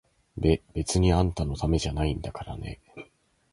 べ、別にあんたのためじゃないんだからね！